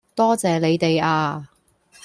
多謝你哋呀